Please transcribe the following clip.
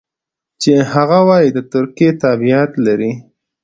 چې هغه وايي د ترکیې تابعیت لري.